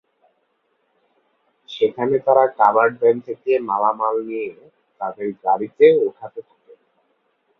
সেখানে তাঁরা covered van থেকে মালামাল নিয়ে তাঁদের গাড়িতে ওঠাতে থাকেন।